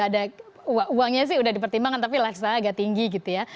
ada uangnya sih udah dipertimbangkan tapi laksanya agak tinggi gitu ya